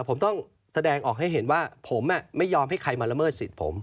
ผมต้องแสดงออกให้เห็นว่าผมไม่ยอมให้ใครมาละเมิดสิทธิ์ผม